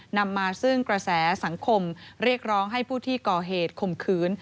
นำมาซึ่งกระแสสังคมเรียกร้องให้ผู้ที่ก่อเหตุข่มขืน